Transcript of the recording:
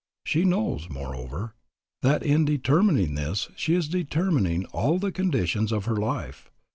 She knows, moreover, that in determining this she is determining all the conditions of her life.